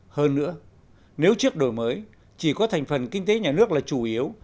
hơn nữa nếu trước đổi mới chỉ có thành phần kinh tế nhà nước là chủ yếu